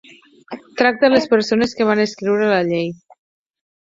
Tracta les persones que van escriure la llei.